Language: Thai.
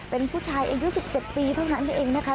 เป็นผู้ชายอายุ๑๗ปีเท่านั้นเองนะคะ